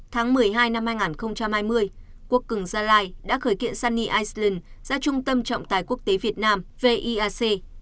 tháng một mươi hai năm hai nghìn hai mươi quốc cường gia lai đã khởi kiện sunny island ra trung tâm trọng tài quốc tế việt nam viec